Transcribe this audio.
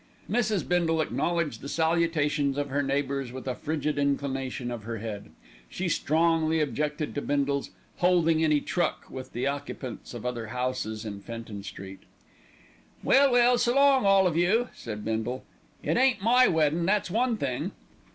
Mrs. Bindle acknowledged the salutations of her neighbours with a frigid inclination of her head. She strongly objected to Bindle's "holding any truck" with the occupants of other houses in Fenton Street. "Well, well, s'long, all of you!" said Bindle. "It ain't my weddin', that's one thing."